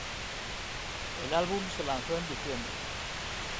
El álbum se lanzó en diciembre.